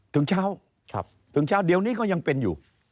ถึงเช้าเดี๋ยวนี้ก็ยังเป็นอยู่